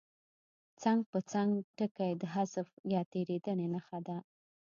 څنګ پر څنګ ټکي د حذف یا تېرېدنې نښه ده.